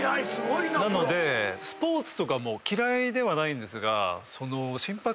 なのでスポーツとかも嫌いではないんですが。